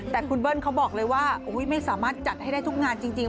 แต่คุณเบิ้ลเขาบอกเลยว่าไม่สามารถจัดให้ได้ทุกงานจริง